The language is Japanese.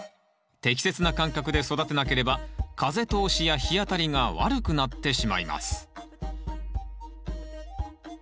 適切な間隔で育てなければ風通しや日当たりが悪くなってしまいます